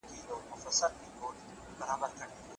ژبه د تورې په شان ده.